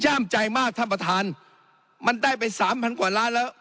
ย่ามใจมากท่านประธานมันได้ไปสามพันกว่าล้านแล้ว